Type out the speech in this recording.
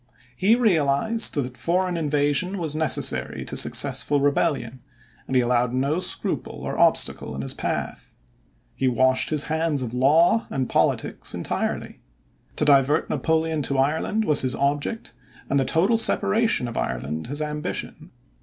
He realized that foreign invasion was necessary to successful rebellion, and he allowed no scruple or obstacle in his path. He washed his hands of law and politics entirely. To divert Napoleon to Ireland was his object and the total separation of Ireland his ambition.